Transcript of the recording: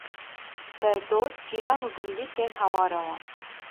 Der dor, cîran û gundî tên hewara wan